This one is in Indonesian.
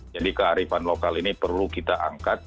jadi kearifan lokal ini perlu kita angkat